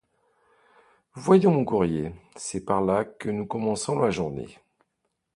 Voyons mon courrier… c'est par là que nous commençons la journée.